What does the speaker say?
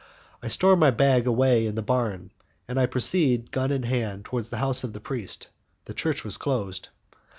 I store my bag away in the barn and I proceed, gun in hand, towards the house of the priest; the church was closed.